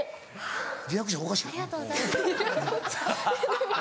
リアクションおかしくない？